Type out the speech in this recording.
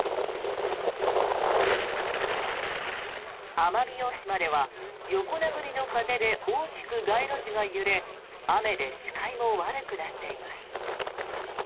奄美大島では横殴りの風で大きく街路樹が揺れ雨で視界も悪くなっています。